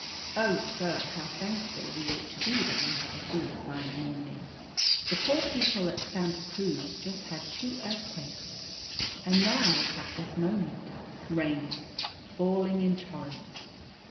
Oh, sir, how thankful we ought to be that we have a good, fine morning. The poor people at Santa Cruz just had two earthquakes, and now at this moment rain falling in torrents."